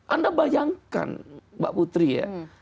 anda bayangkan mbak putri ya